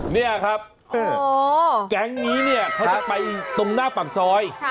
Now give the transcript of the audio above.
นี่ครับแก๊งนี้เนี่ยเขาจะไปตรงหน้าปากซอย